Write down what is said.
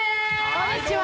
こんにちは！